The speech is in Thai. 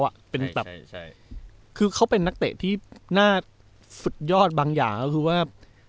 คือเขาเป็นนักเตะที่น่าสุดยอดบางอย่างก็คือว่า